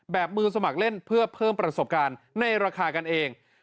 มือสมัครเล่นเพื่อเพิ่มประสบการณ์ในราคากันเอง